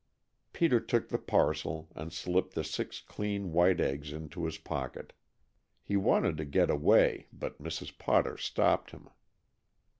Peter took the parcel, and slipped the six clean white eggs into his pocket. He wanted to get away, but Mrs. Potter stopped him.